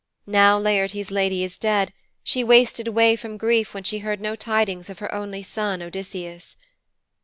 Now Laertes' lady is dead, she wasted away from grief when she heard no tidings of her only son, Odysseus.